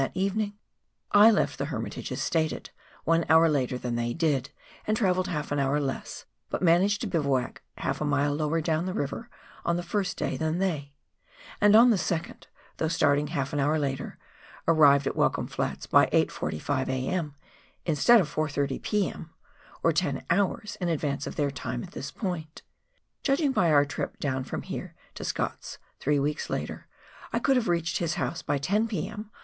that evening. I left the Hermitage, as stated, one hour later than they did, and travelled half an hour less, but managed to bivouac half a mile lower down the river on the first day than they ; and on the second, though starting half an hour later, arrived at "Welcome Flats by 8.45 a.m. instead of 4.30 p.m. — or ten hours in advance of their time at this point. Judging by our trip down from here to Scott's, three weeks later, I could have reached his house by 10 p.m.